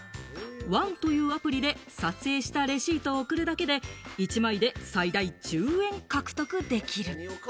ＯＮＥというアプリで撮影したレシートを送るだけで１枚で最大１０円獲得できる。